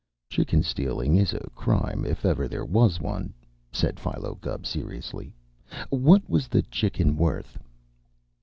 "Chicken stealing is a crime if ever there was one," said Philo Gubb seriously. "What was the chicken worth?"